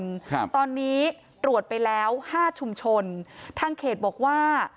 ครับตอนนี้ตรวจไปแล้วห้าชุมชนทางเขตบอกว่า